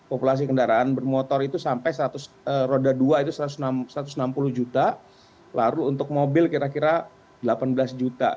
populasi kendaraan bermotor itu sampai seratus roda dua itu satu ratus enam puluh juta lalu untuk mobil kira kira delapan belas juta